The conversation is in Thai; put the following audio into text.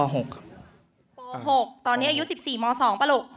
๖ป๖ตอนนี้อายุ๑๔ม๒ป่ะลูก